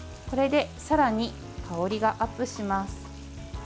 これでさらに香りがアップします。